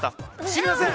◆知りません。